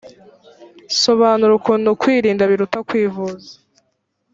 sobanura ukuntu kwirinda biruta kwivuza